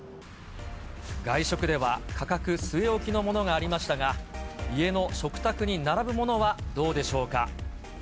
外食では、価格据え置きのものがありましたが、家の食卓に並ぶものはどうでしょうか。